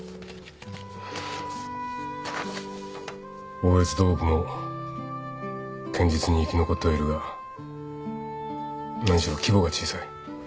大悦土木も堅実に生き残ってはいるが何しろ規模が小さい。